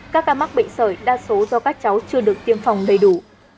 các ca mắc bệnh sởi đa số do các cháu chưa được tiêm phòng đầy đủ